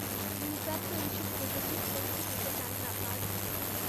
দুর্দান্ত এই সব প্রযুক্তির কোনটি নিতে চান না, বায?